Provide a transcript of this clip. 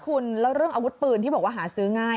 คุณแล้วเรื่องอาวุธปืนที่บอกว่าหาซื้อง่าย